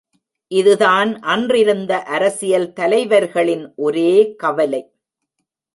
இதுதான் அன்றிருந்த அரசியல் தலைவர்களின் ஒரே கவலை.